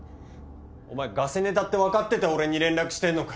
お前ガセネタって分かってて俺に連絡してんのか？